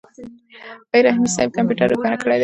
آیا رحیمي صیب کمپیوټر روښانه کړی دی؟